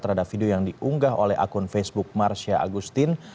terhadap video yang diunggah oleh akun facebook marsha agustin